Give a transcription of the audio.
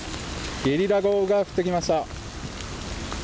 ゲリラ豪雨が降って来ました。